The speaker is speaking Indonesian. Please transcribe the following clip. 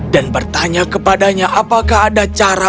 dan bertanya kepadanya apakah ada cara